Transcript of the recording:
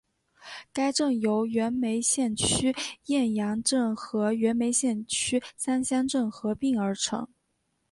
该镇由原梅县区雁洋镇和原梅县区三乡镇合并而成。